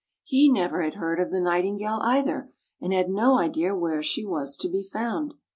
He never had heard of the Nightingale, either, and had no idea where she was to be found.